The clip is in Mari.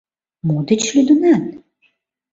— Мо деч лӱдынат?